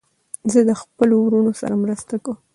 زه د خپلو وروڼو سره مرسته کوم.